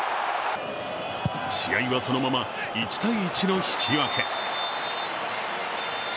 試合はそのまま１−１の引き分け。